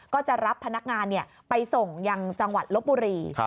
ก็จะรับพนักงานไปส่งยังจังหวัดลบบุรี